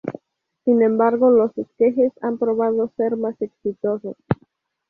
Sin embargo, los esquejes han probado ser más exitosos.